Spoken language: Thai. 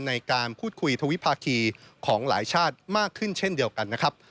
ในการพูดคุยทวิภาคีของหลายชาติมากขึ้นเช่นเดียวกันนะครับ